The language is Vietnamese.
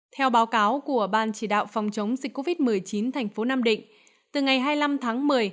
theo báo cáo của ban chỉ đạo phòng chống dịch covid một mươi chín thành phố nam định từ ngày hai mươi năm tháng một mươi